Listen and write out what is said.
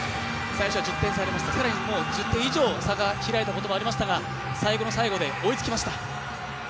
最初は１０点差ありました、更に１０点以上、差が開いたこともありましたが、最後の最後で追いつきました。